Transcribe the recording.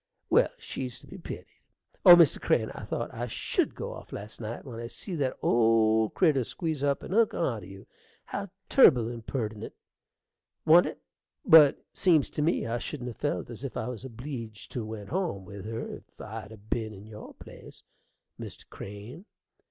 Well, she's to be pitied. Oh, Mr. Crane, I thought I should go off last night when I see that old critter squeeze up and hook onto you. How turrible imperdent, wa'n't it! But seems to me I shouldn't 'a' felt as if I was obleeged to went hum with her if I'd 'a' ben in your place, Mr. Crane.